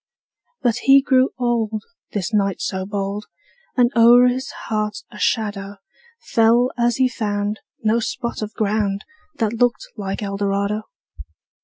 But he grew old, This knight so bold, And o'er his heart a shadow Fell as he found No spot of ground That looked like Eldorado.